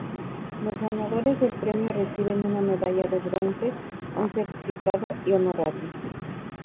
Los ganadores del premio reciben una medalla de bronce, un certificado y honorarios.